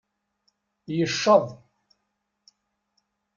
Yecceḍ.